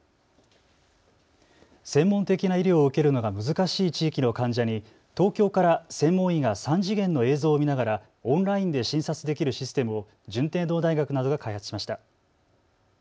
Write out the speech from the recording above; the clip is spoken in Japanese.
専門的な医療を受けるのが難しい地域の患者に東京から専門医が３次元の映像を見ながらオンラインで診察できるシステムを順天堂大学などが開発しました。